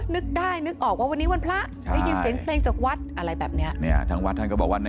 นิ๊กได้นึกออกว่าวันนี้คือวันพระ